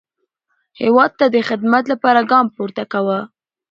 هیواد ته د خدمت لپاره ګام پورته کاوه.